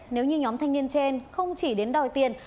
nếu như nhóm thanh niên trên không chỉ đến đòi tiền